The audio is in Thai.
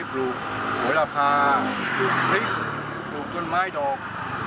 ปลูกหวยราคาปลูกพริกปลูกต้นไม้ดอก